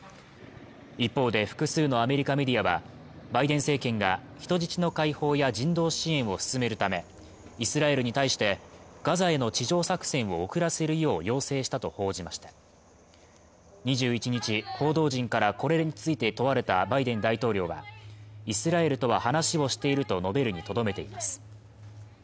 一方で複数のアメリカメディアはバイデン政権が人質の解放や人道支援を進めるためイスラエルに対してガザへの地上作戦を遅らせるよう要請したと報じました２１日、報道陣からこれについて問われたバイデン大統領はイスラエルとは話をしていると述べるにとどめています